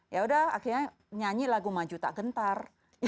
ya udah akhirnya nyanyi lagu maju tak gentar